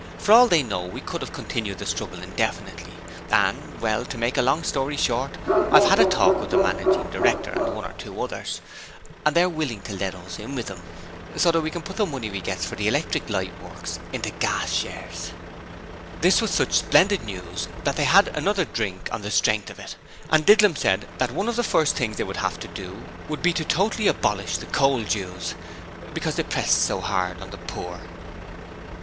For all they know, we could have continued the struggle indefinitely: and well, to make a long story short, I've had a talk with the managing director and one or two others, and they're willing to let us in with them. So that we can put the money we get for the Electric Light Works into gas shares!' This was such splendid news that they had another drink on the strength of it, and Didlum said that one of the first things they would have to do would be to totally abolish the Coal Dues, because they pressed so hard on the poor.